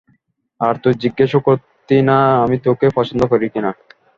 আর তুই জিজ্ঞেসও করতি না আমি তোকে পছন্দ করি কিনা।